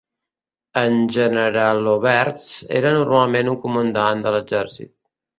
En "Generaloberst" era normalment un comandant de l'exèrcit.